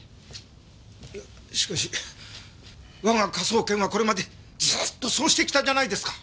いやしかし我が科捜研はこれまでずっとそうしてきたじゃないですか！